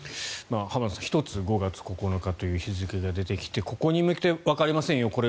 浜田さん、１つ５月９日という日付が出てきてここに向けて、わかりませんよ